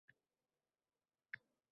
Termiz shahar hokimi xalqqa murojaat etdi